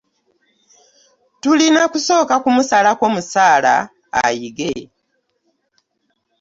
Tulina kusooka kumusalako musaala ayige.